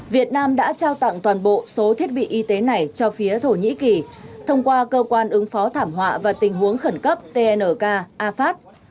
việt nam đã trao tặng toàn bộ số thiết bị y tế này cho phía thổ nhĩ kỳ thông qua cơ quan ứng phó thảm họa và tình huống khẩn cấp tnk afat